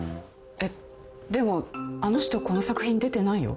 えっでもあの人この作品出てないよ。